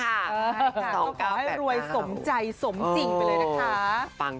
ใช่ค่ะก็พาให้รวยสมใจสมจริงไปเลยนะคะ